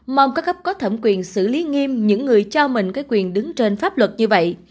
mong các cấp có thẩm quyền xử lý nghiêm những người cho mình cái quyền đứng trên pháp luật như vậy